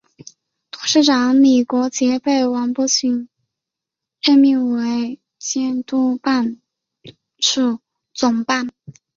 董事长李国杰被王伯群任命为监督办公处总办。